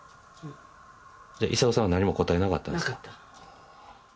勇夫さんは何も答えなかったんですか？